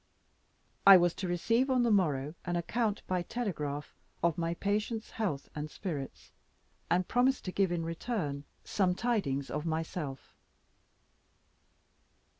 I was to receive, on the morrow, an account, by telegraph, of my patient's health and spirits, and promised to give, in return, some tidings of myself.